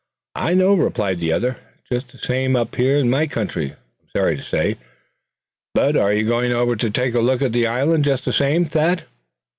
"I know," replied the other. "It's just the same up in my country, I'm sorry to say. But are you going over to take a look at that island just the same, Thad?"